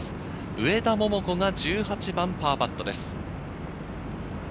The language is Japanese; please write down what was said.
上田桃子が１８番パーパットです。